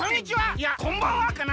いやこんばんはかな。